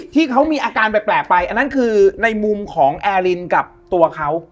ที่เขามีอาการแปลกไปอันนั้นคือในมุมของแอร์ลินกับตัวเขา